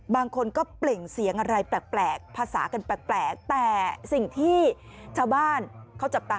บางคนก็เปล่งเสียงอะไรแปลกภาษากันแปลกแต่สิ่งที่ชาวบ้านเขาจับตา